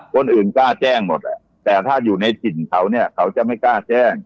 คนอื่นกล้าแจ้งหมดแหละแต่ถ้าอยู่ในจิตเขาจะไม่กล้าแจ้ง